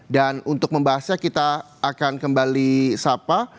dan untuk membahasnya kita akan kembali sapa